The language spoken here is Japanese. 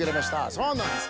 そうなんです。